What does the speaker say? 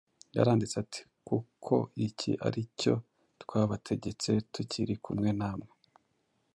Yaranditse ati, “Kuko iki ari cyo twabategetse tukiri kumwe namwe,